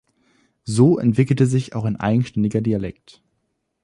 So entwickelte sich auch ein eigenständiger Dialekt.